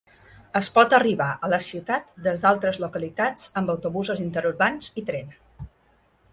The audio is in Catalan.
Es pot arribar a la ciutat des d'altres localitats amb autobusos interurbans i tren.